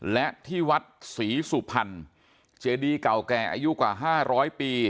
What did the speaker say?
และที่วัดศรีสุพรรณเจดีเก่าแก่อายุกว่า๕๐๐ปี